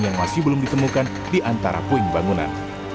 yang masih belum ditemukan di antara puing bangunan